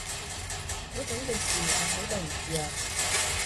嗰陣嘅事，我好對唔住啊